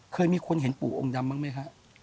เคยมีคนเห็นปู่องค์ดำบ้างไหมฮะ